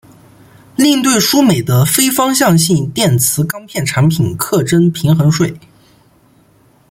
另对输美的非方向性电磁钢片产品课征平衡税。